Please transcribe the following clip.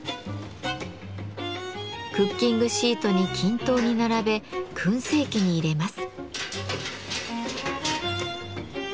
クッキングシートに均等に並べ燻製機に入れます。